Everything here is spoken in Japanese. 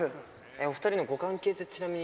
お２人のご関係って、ちなみに。